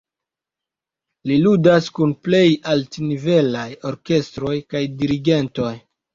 Li ludas kun plej altnivelaj orkestroj kaj dirigentoj.